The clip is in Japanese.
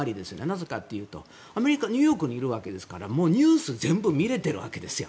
なぜかというとニューヨークにいるわけですからニュースを全部見れているわけです。